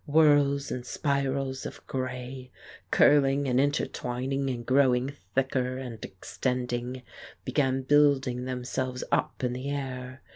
Whorls and spirals of grey, curling and intertwining and growing thicker and extending, began building themselves up in the air.